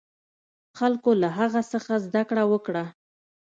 خلکو له هغه څخه زده کړه وکړه.